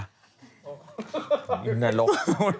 หน้าหลบ